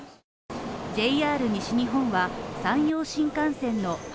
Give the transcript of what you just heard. ＪＲ西日本は山陽新幹線の博